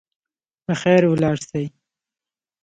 په خیر ولاړ سئ.